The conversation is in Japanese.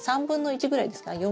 ３分の１ぐらいですか？